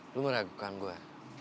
lu meragukan gue